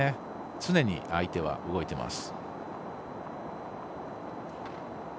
常に相手は動いてます。